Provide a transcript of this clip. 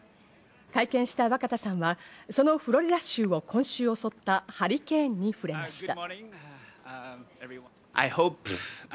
会見した若田さんはそのフロリダ州を今週襲ったハリケーンに触れました。